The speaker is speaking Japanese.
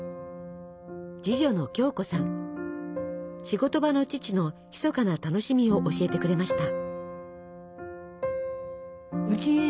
仕事場の父の秘かな楽しみを教えてくれました。